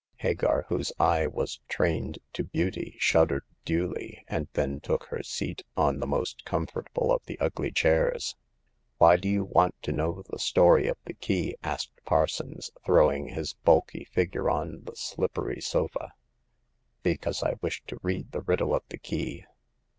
Hagar, whose eye was trained to 138 Hagar of the Pawn Shop. beauty, shuddered duly, and then took her seat on the most comfortable of the ugly chairs. '* Why do you want to know the story of the key ?" asked Parsons, throwing his bulky fig ure on the slippery sofa. Because I wish to read the riddle of the key.''